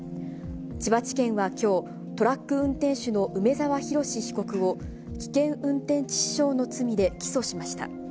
千葉地検はきょう、トラック運転手の梅沢洋被告を、危険運転致死傷の罪で起訴しました。